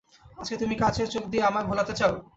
আজকে তুমি কাচের চোখ দিয়ে আমায় ভোলোতে চাও?